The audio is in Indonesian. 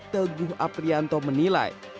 telguh aprianto menilai